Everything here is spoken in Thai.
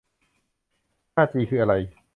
ห้าจีคืออะไร